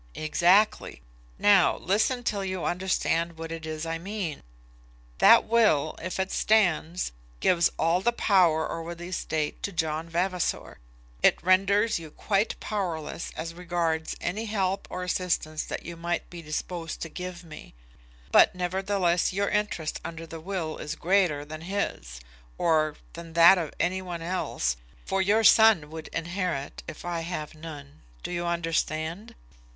"Exactly. Now listen till you understand what it is I mean. That will, if it stands, gives all the power over the estate to John Vavasor. It renders you quite powerless as regards any help or assistance that you might be disposed to give to me. But, nevertheless, your interest under the will is greater than his, or than that of any one else, for your son would inherit if I have none. Do you understand?"